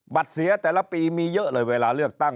เสียแต่ละปีมีเยอะเลยเวลาเลือกตั้ง